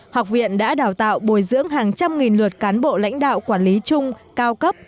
học viện đã đào tạo bồi dưỡng hàng trăm nghìn luật cán bộ lãnh đạo quản lý chung cao cấp